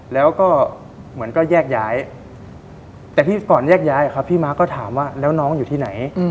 แล้วก็เหมือนก็แยกย้ายแต่พี่ก่อนแยกย้ายครับพี่ม้าก็ถามว่าแล้วน้องอยู่ที่ไหน